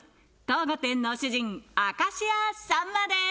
当御殿の主人明石家さんまです！